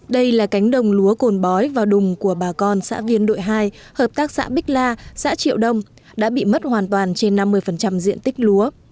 đây là cánh đồng lúa cồn bói vào đùng của bà con xã viên đội hai hợp tác xã bích la xã triệu đông đã bị mất hoàn toàn trên năm mươi diện tích lúa